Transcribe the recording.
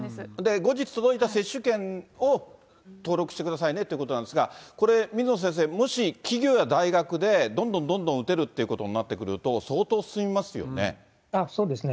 後日届いた接種券を登録してくださいねということなんですが、これ、水野先生、企業や大学でどんどんどんどん打てるっていうことになってくると、そうですね。